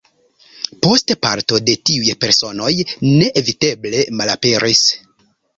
Poste parto de tiuj personoj neeviteble malaperis.